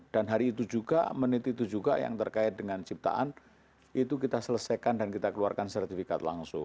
dan hari itu juga menit itu juga yang terkait dengan ciptaan itu kita selesaikan dan kita keluarkan sertifikat langsung